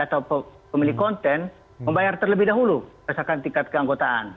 atau pemilik konten membayar terlebih dahulu berdasarkan tingkat keanggotaan